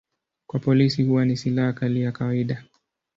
Kwa polisi huwa ni silaha kali ya kawaida.